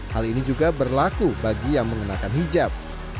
hal ini juga berlaku bagi yang mengenakan hijab